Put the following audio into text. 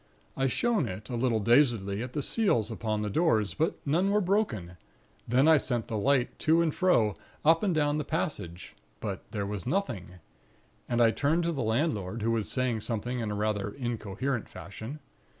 I shone it, a little dazedly, at the seals upon the doors; but none were broken; then I sent the light to and fro, up and down the passage; but there was nothing; and I turned to the landlord, who was saying something in a rather incoherent fashion.